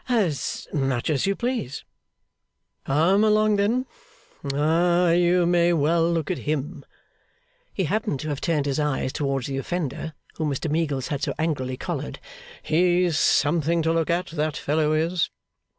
'As much as you please.' 'Come along then. Ah! you may well look at him.' He happened to have turned his eyes towards the offender whom Mr Meagles had so angrily collared. 'He's something to look at, that fellow is.